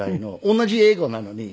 同じ英語なのに。